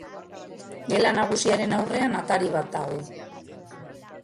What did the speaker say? Gela nagusiaren aurrean atari bat dago.